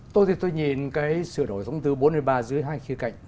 tôi thì tôi nhìn cái sửa đổi thông tư bốn mươi ba dưới hai khía cạnh